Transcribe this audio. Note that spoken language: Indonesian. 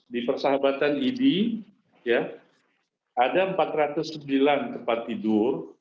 di persahabatan idi ada empat ratus sembilan tempat tidur